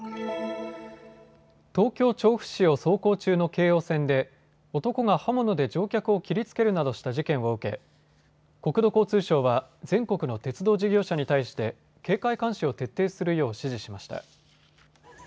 東京調布市を走行中の京王線で男が刃物で乗客を切りつけるなどした事件を受け国土交通省は全国の鉄道事業者に対して警戒監視を徹底するよう指示しました。